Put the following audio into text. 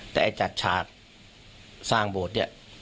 แต่จัดฉากสร้างโบสถ์